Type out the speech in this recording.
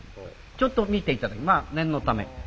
ちょっと見て頂いてまあ念のため。